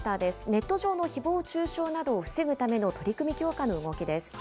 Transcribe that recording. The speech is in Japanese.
ネット上のひぼう中傷などを防ぐための取り組み強化の動きです。